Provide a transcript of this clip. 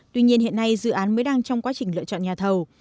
tuy nhiên hiện nay dự án mới đang trong quá trình lựa chọn nhà thầu